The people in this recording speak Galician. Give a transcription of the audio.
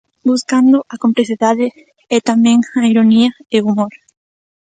Buscando a complicidade e tamén a ironía e o humor.